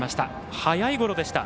速いゴロでした。